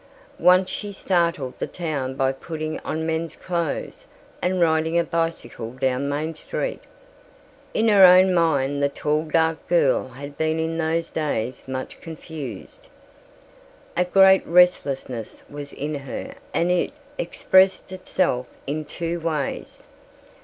Once she startled the town by putting on men's clothes and riding a bicycle down Main Street. In her own mind the tall dark girl had been in those days much confused. A great restlessness was in her and it expressed itself in two ways.